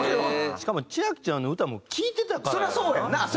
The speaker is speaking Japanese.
しかも千亜妃ちゃんの歌も聴いてたからやろうな。